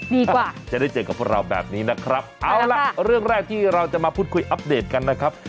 กว่าจะได้เจอกับพวกเราแบบนี้นะครับเอาล่ะเรื่องแรกที่เราจะมาพูดคุยอัปเดตกันนะครับ